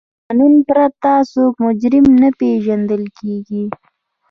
له قانون پرته څوک مجرم نه پیژندل کیږي.